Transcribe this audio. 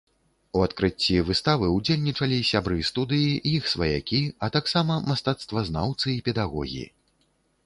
У адкрыцці выставы ўдзельнічалі сябры студыі, іх сваякі, а таксама мастацтвазнаўцы і педагогі.